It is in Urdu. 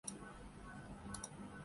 بخاری کی ایک روایت سے معلوم ہوتا ہے